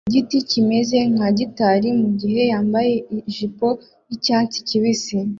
mu giti kimeze nka gitari mugihe yambaye ijipo yicyatsi kibisi